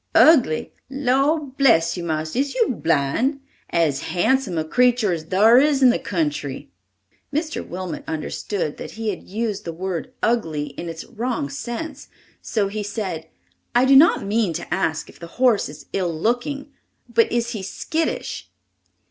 "Ugly! Lor' bless you, marster, is you blind? As handsome a creetur as thar is in the country!" Mr. Wilmot understood that he had used the word ugly in its wrong sense, so he said: "I do not mean to ask if the horse is ill looking, but is he skittish?"